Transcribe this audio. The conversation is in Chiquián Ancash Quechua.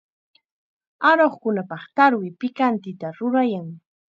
Aruqkunapaq tarwi pikantita rurayan.